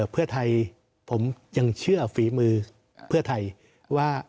เพื่อไทยผมยังเชื่อฝีมือเพื่อไทยว่า